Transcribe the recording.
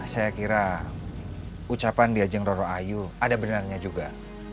saya kira ucapan diajeng roro ayu ada benarnya juga